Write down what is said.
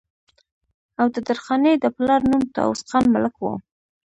او د درخانۍ د پلار نوم طاوس خان ملک وو